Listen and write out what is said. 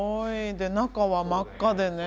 で中は真っ赤でね。